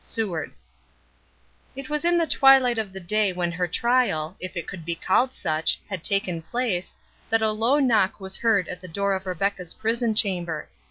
SEWARD It was in the twilight of the day when her trial, if it could be called such, had taken place, that a low knock was heard at the door of Rebecca's prison chamber.